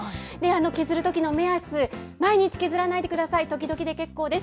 削るときの目安、毎日削らないでください、時々で結構です。